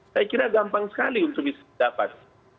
saya kira gampang sekali untuk bisa didapat